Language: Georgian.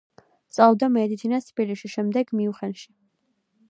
სწავლობდა მედიცინას თბილისში, შემდეგ მიუნხენში.